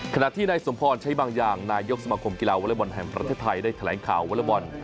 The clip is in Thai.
ขณะที่นายสมพรใช้บางอย่างนายกสมาคมกีฬาวอเล็กบอลแห่งประเทศไทยได้แถลงข่าววอเลอร์บอล